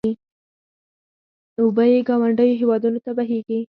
اوبه یې ګاونډیو هېوادونو ته بهېږي.